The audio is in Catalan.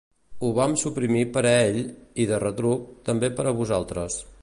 Ho vam suprimir per a ell, i, de retruc, també per a vosaltres.